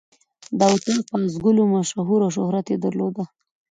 دا اطاق په آس ګلو مشهور او شهرت یې درلود.